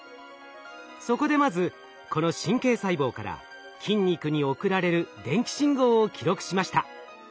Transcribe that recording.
そこでまずこの神経細胞から筋肉に送られる電気信号を記録しました。